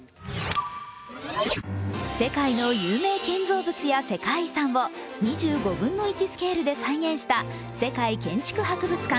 世界の有名建造物や世界遺産を２５分の１スケールで再現した世界建築博物館